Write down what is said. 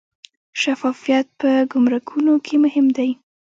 شفافیت په ګمرکونو کې مهم دی